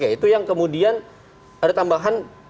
itu yang kemudian ada tambahan